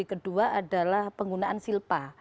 kedua adalah penggunaan silpa